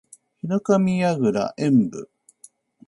ヒノカミ神楽円舞（ひのかみかぐらえんぶ）